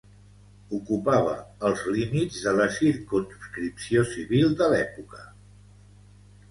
Ocupava els límits de la circumscripció civil de l'època.